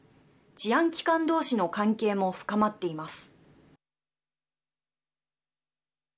治安機関どうしの関係も深まっています。